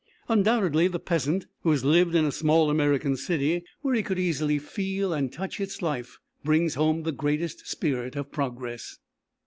Undoubtedly the peasant who has lived in a small American city where he could easily feel and touch its life brings home the greatest spirit of progress.